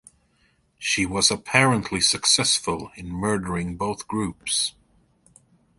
She was apparently successful in murdering both groups.